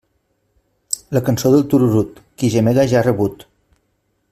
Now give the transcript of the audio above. La cançó del tururut, qui gemega ja ha rebut.